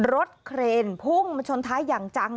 เครนพุ่งมาชนท้ายอย่างจัง